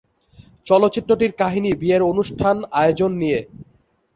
চলচ্চিত্রটির কাহিনী বিয়ের অনুষ্ঠান আয়োজন নিয়ে।